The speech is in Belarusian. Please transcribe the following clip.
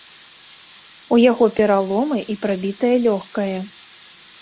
У яго пераломы і прабітае лёгкае.